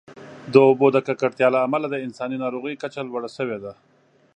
د اوبو د ککړتیا له امله د انساني ناروغیو کچه لوړه شوې ده.